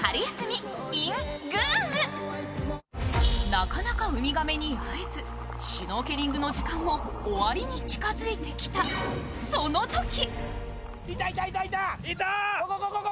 なかなか海亀に会えず、シュノーケリングの時間も終わりに近づいてきたそのとき。